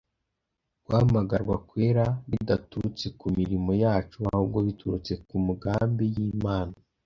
guhamagarwa kwera bidaturutse ku mirimo yacu ahubwo biturutse ku mugambi y imana